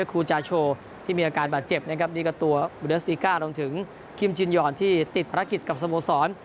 คูจาโชว์ที่มีอาการบาดเจ็บนะครับนี่ก็ตัวลงถึงที่ติดภารกิจกับสโมสร